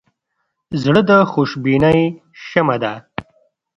زړه د خوشبینۍ شمعه ده.